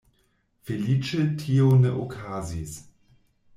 Feliĉe tio ne okazis.